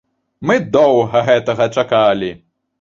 Мы доўга гэтага чакалі!